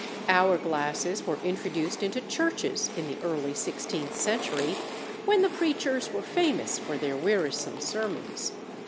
Hour glasses were introduced into churches in the early sixteenth century when the preachers were famous for their wearisome sermons.